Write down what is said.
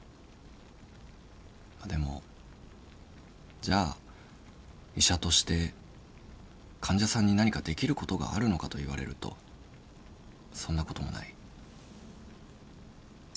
でもじゃあ医者として患者さんに何かできることがあるのかと言われるとそんなこともない。